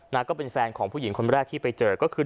ก็เป็นแฟนของผู้หญิงคนแรกที่ไปเจอก็คือ